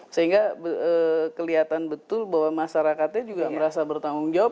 sehingga kelihatan betul bahwa masyarakatnya juga merasa bertanggung jawab